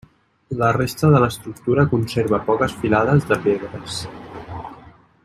La resta de l'estructura conserva poques filades de pedres.